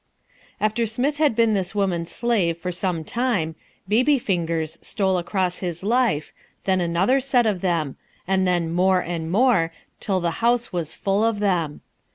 After Smith had been this woman's slave for some time, baby fingers stole across his life, then another set of them, and then more and more till the house was full of them.